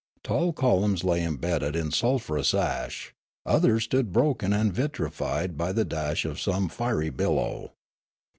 Tall columns lay imbedded in sulphurous ash ; others stood broken and vitrified by the dash of some fiery billow.